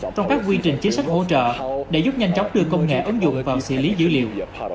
trong các quy trình chính sách hỗ trợ để giúp nhanh chóng đưa công nghệ ứng dụng vào xử lý dữ liệu